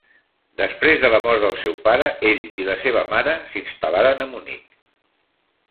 Després de la mort del seu pare, ell i la seva mare s'instal·laren a Munic.